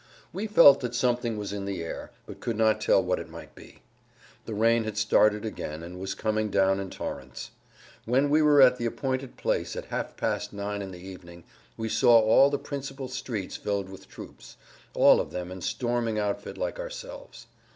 We felt that something was in the air, but could not tell what it might be. The rain had started again and was coming down in torrents. When we were at the appointed place at half past nine in the evening we saw all the principal streets filled with troops, all of them in storming outfit like ourselves.